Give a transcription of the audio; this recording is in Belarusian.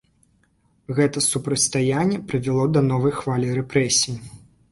Гэта супрацьстаянне прывяло да новай хвалі рэпрэсій.